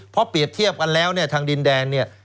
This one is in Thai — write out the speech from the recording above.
เพราะเปรียบเทียบกันแล้วทางดินแดง